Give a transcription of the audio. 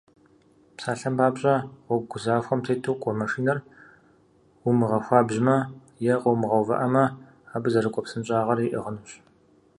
Псалъэм папщӏэ, гъуэгу захуэм тету кӏуэ машинэр, умыгъэхуабжьмэ е къыумыгъэувыӏэмэ, абы зэрыкӏуэ псынщӏагъэр иӏыгъынущ.